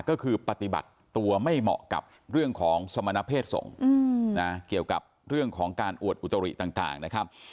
ก็คือปฏิบัติตัวไม่เหมาะกับเรื่องของสมณเพศสงฆ์เกี่ยวกับเรื่องของการอวดอุตริต่างนะครับ